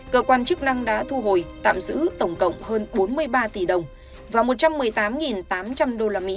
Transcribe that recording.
cơ quan chức năng đã thu hồi tạm giữ tổng cộng hơn bốn mươi ba tỷ đồng và một trăm một mươi tám tám trăm linh usd